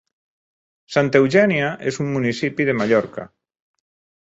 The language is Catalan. Santa Eugènia és un municipi de Mallorca.